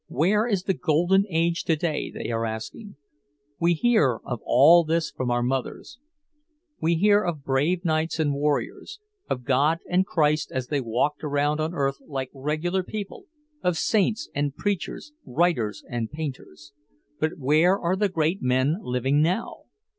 "Where is the Golden Age to day?" they are asking. "We hear of all this from our mothers. We hear of brave knights and warriors, of God and Christ as they walked around on earth like regular people, of saints and preachers, writers and painters. But where are the great men living now?